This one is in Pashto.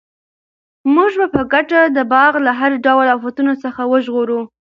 موږ به په ګډه دا باغ له هر ډول آفتونو څخه وژغورو.